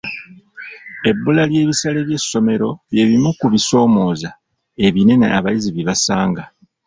Ebbula ly'ebisale by'essomero by'ebimu ku bisomooza ebinene abayizi bye basanga.